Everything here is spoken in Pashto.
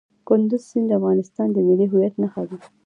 کندز سیند د افغانستان د ملي هویت نښه ده.